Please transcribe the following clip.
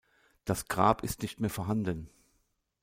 Das Grab ist nicht mehr vorhanden.